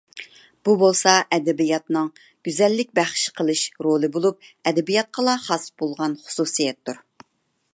بۇ بولسا ئەدەبىياتنىڭ گۈزەللىك بەخش قىلىش رولى بولۇپ، ئەدەبىياتقىلا خاس بولغان خۇسۇسىيەتتۇر.